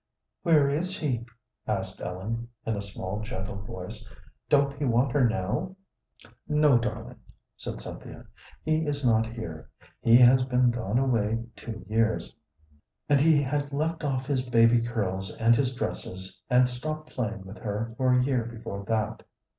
"Where is he?" asked Ellen, in a small, gentle voice. "Don't he want her now?" "No, darling," said Cynthia; "he is not here; he has been gone away two years, and he had left off his baby curls and his dresses, and stopped playing with her for a year before that."